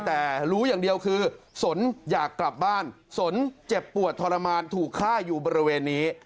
แต่รู้อย่างเดียวคือสนอยากกลับบ้านสนเจ็บปวดทรมานถูกฆ่าอยู่บริเวณนี้